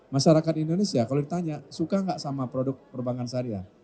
masyarakat indonesia kalau ditanya suka nggak sama produk perbankan syariah